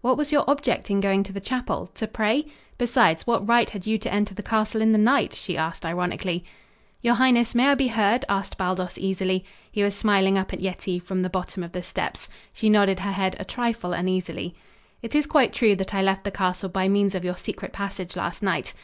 What was your object in going to the chapel? To pray? Besides, what right had you to enter the castle in the night?" she asked ironically. "Your highness, may I be heard?" asked Baldos easily. He was smiling up at Yetive from the bottom of the steps. She nodded her head a trifle uneasily. "It is quite true that I left the castle by means of your secret passage last night."